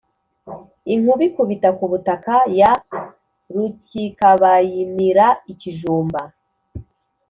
Inkuba ikubita ku butaka ya Rukikabayimira-Ikijumba.